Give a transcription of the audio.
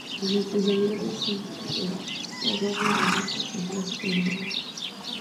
Sus especialidades son el oboe barroco, el clásico y el romántico.